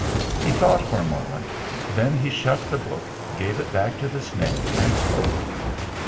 He thought for a moment; then he shut the book, gave it back to the Snick, and spoke.